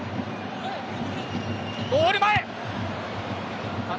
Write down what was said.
ゴール前。